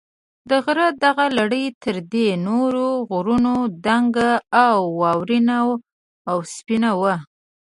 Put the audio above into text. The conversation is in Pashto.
د غره دغه لړۍ تر دې نورو غرونو دنګه، واورینه او سپینه وه.